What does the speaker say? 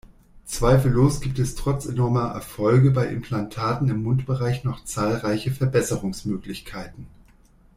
Zweifellos gibt es trotz enormer Erfolge bei Implantaten im Mundbereich noch zahlreiche Verbesserungsmöglichkeiten.